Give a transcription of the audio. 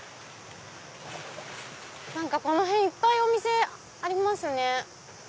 この辺いっぱいお店ありますね。